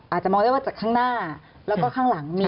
อาจจะจากค้างหน้าแล้วก็ค้างหลังมี